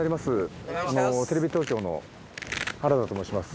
テレビ東京の原田と申します。